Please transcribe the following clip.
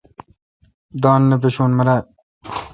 دان نہ پشو میرال۔